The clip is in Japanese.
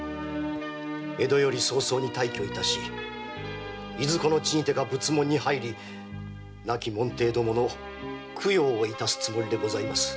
江戸より早々に退去致しいずこの地にてか仏門に入り亡き門弟どもの供養を致すつもりでございます。